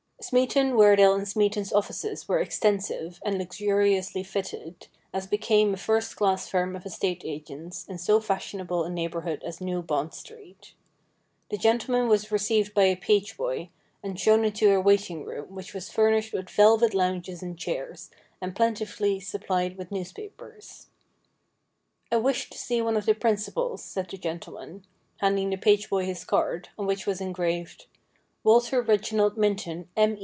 Smeaton, Weardale & Smeaton's offices were extensive, and luxuriously fitted, as became a first class firm of estate agents in so fashionable a neighbourhood as New Bond Street. The gentleman was received by a page boy, and shown into a waiting room, which was furnished with velvet lounges and chairs, and plentifully supplied with news papers. THE BLOOD DRIPS 203 ' I wish to see one of the principals,' said the gentleman, handing the page boy his card, on which was engraved : Waltee Reginald Minton, M.